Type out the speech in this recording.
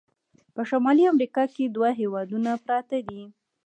په شمالي امریکا کې دوه هیوادونه پراته دي.